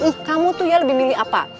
ih kamu tuh ya lebih milih apa